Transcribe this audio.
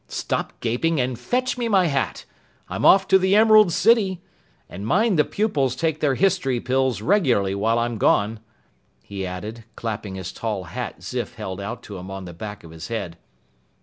Stop gaping and fetch me my hat. I'm off to the Emerald City. And mind the pupils take their history pills regularly while I'm gone," he added, clapping his tall hat Zif held out to him on the back of his head.